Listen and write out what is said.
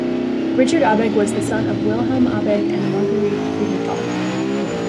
Richard Abegg was the son of Wilhelm Abegg and Margarete Friedenthal.